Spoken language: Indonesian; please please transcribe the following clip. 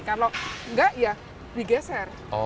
kalau enggak ya digeser